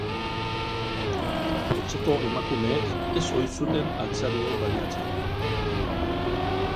Etxeko emakumeek ez ohi zuten altzari hau baliatzen.